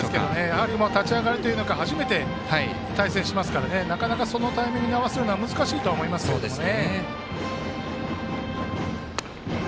やはり立ち上がりは初めて対戦しますからなかなかそのタイミングに合わせるのは難しいとは思いますけれどもね。